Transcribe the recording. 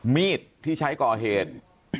มีดที่ใช้ก่อเหตุ